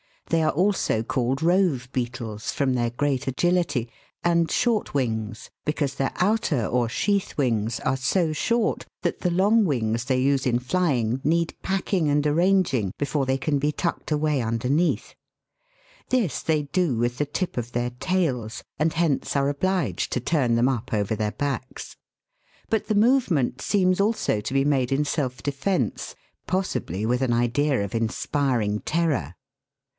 They are also called Rove beetles, from their great agility, and Short wings, because their outer, or sheath wings, are so short that the long wings 222 THE WORLD'S LUMBER ROOM. they use in flying need packing and arranging before they can be tucked away underneath. This they do with the tip of their tails, and hence are obliged to turn them up over their backs ; but the movement seems also to be made in self defence, possibly with an idea of in spiring terror.